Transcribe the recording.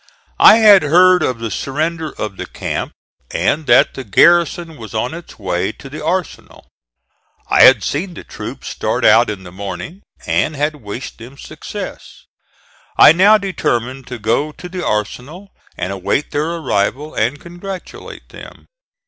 I had heard of the surrender of the camp and that the garrison was on its way to the arsenal. I had seen the troops start out in the morning and had wished them success. I now determined to go to the arsenal and await their arrival and congratulate them.